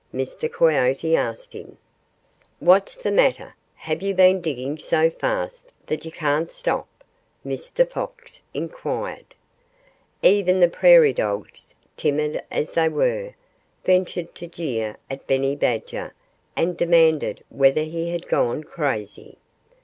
Mr. Coyote asked him. "What's the matter have you been digging so fast that you can't stop?" Mr. Fox inquired. Even the prairie dogs timid as they were ventured to jeer at Benny Badger and demanded whether he had gone crazy.